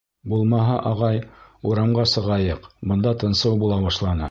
— Булмаһа, ағай, урамға сығайыҡ, бында тынсыу була башланы...